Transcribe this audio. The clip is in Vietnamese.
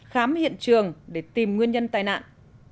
khám hiện trường để tìm nguyên nhân tai nạn